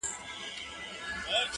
• خو هغې دغه ډالۍ.